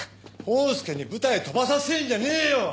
コースケに舞台飛ばさせんじゃねえよ！